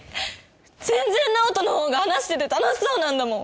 全然奈央との方が話してて楽しそうなんだもん